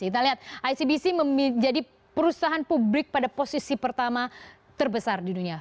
kita lihat icbc menjadi perusahaan publik pada posisi pertama terbesar di dunia